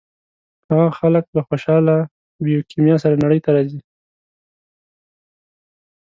هغه خلک له خوشاله بیوکیمیا سره نړۍ ته راځي.